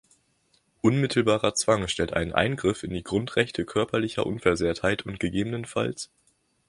Unmittelbarer Zwang stellt einen Eingriff in die Grundrechte Körperliche Unversehrtheit und ggfs.